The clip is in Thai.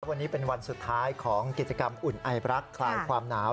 วันนี้เป็นวันสุดท้ายของกิจกรรมอุ่นไอบรักษ์คลายความหนาว